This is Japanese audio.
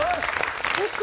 よし！